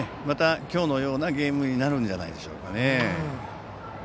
今日のようなゲームになるんじゃないですかね。